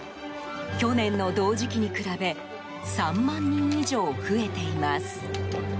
去年の同時期に比べ３万人以上増えています。